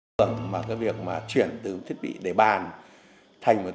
cách thức sử dụng ra sao